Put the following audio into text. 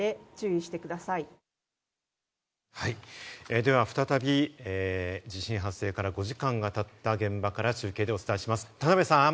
では再び、地震発生から５時間が経った現場から中継でお伝えします、田辺さん！